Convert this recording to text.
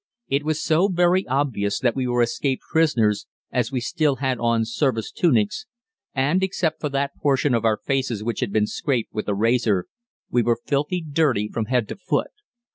It was so very obvious that we were escaped prisoners, as we still had on service tunics, and, except for that portion of our faces which had been scraped with a razor, we were filthily dirty from head to foot.